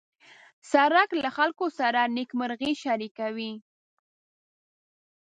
سړک له خلکو سره نېکمرغي شریکوي.